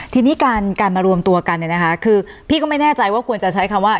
ทีนี้การมารวมตัวกันคือพี่ก็ไม่แน่ใจว่าคุณจะใช้คำว่า